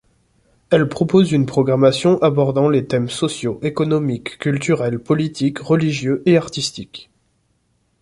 Elle propose une programmation abordant les thèmes sociaux, économiques, culturels, politiques, religieux et artistiques.